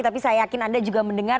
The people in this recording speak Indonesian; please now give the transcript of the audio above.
tapi saya yakin anda juga mendengar